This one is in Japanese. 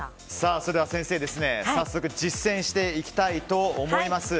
それでは先生早速実践していきたいと思います。